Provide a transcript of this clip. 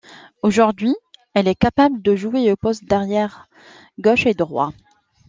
Aujourd'hui, elle est capable de jouer aux postes d'arrière gauche et droit.